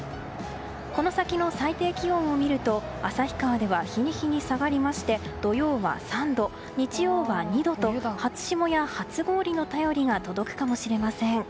この先の最低気温を見ると旭川では日に日に下がりまして土曜は３度、日曜は２度と初霜や初氷の便りが届くかもしれません。